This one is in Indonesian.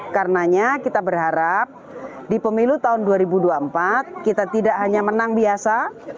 karenanya kita berharap di pemilu tahun dua ribu dua puluh empat kita tidak hanya menang biasa